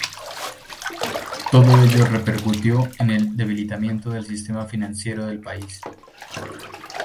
Todo ello repercutió en el debilitamiento del sistema financiero del país.